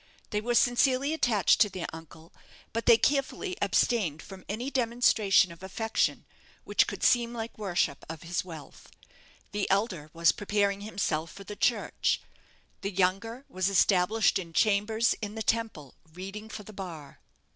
They were sincerely attached to their uncle; but they carefully abstained from any demonstration of affection which could seem like worship of his wealth. The elder was preparing himself for the Church; the younger was established in chambers in the Temple, reading for the bar.